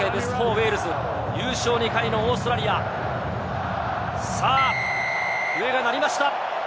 ウェールズ、優勝２回のオーストラリア、笛が鳴りました！